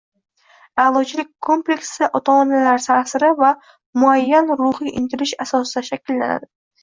Aʼlochilik kompleksi ota-onalar taʼsiri va muayyan ruhiy intilish asosida shakllanadi.